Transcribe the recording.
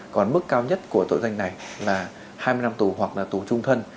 còn mức cao nhất của tội danh này là hai mươi năm tù hoặc là tù trung thân